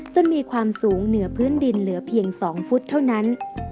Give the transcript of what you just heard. จนมีความสูงเหนือพื้นดินเหลือเพียง๒ฟุตเท่านั้น